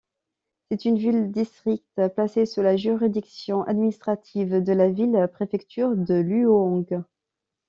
C'est une ville-district placée sous la juridiction administrative de la ville-préfecture de Luoyang.